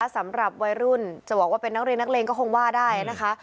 สำหรับวัยรุ่นจะบอกว่าเป็นนักเรียนนักเลงก็คงว่าได้นะคะ